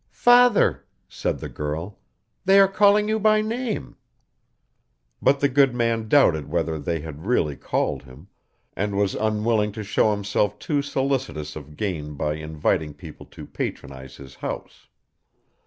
'Father,' said the girl, 'they are calling you by name.' But the good man doubted whether they had really called him, and was unwilling to show himself too solicitous of gain by inviting people to patronize his house.